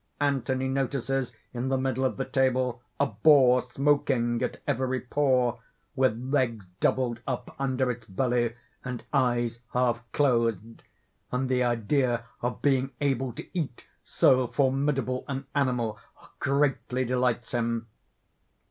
Anthony notices in the middle of the table a boar smoking at every pore with legs doubled up under its belly, and eyes half closed and the idea of being able to eat so formidable an animal greatly delights him.